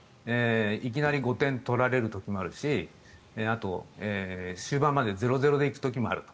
いきなり５点取られる時もあるし終盤まで０−０で行く時もある。